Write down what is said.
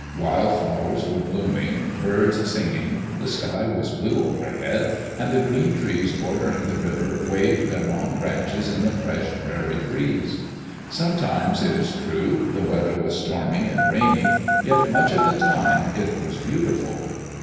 Wild flowers were blooming, birds singing, the sky was blue overhead, and the green trees bordering the river waved their long branches in the fresh prairie breeze. Some times, it is true, the weather was stormy and rainy, yet much of the time it was beautiful.